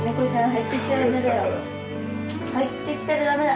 入ってきたらダメだ。